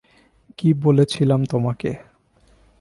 কি বলেছিলাম তোমাকে?